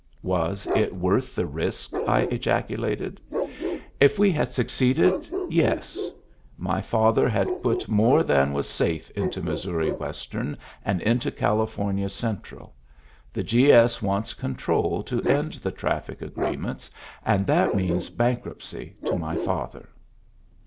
"Was it worth the risk?" I ejaculated. "If we had succeeded, yes. My father had put more than was safe into Missouri Western and into California Central. The G. S. wants control to end the traffic agreements, and that means bankruptcy to my father."